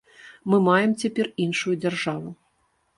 Мы маем цяпер іншую дзяржаву.